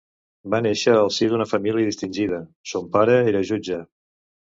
Va nàixer al si d'una família distingida; son pare era jutge.